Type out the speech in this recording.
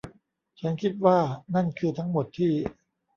ฉันคิดว่านั่นคือทั้งหมดที่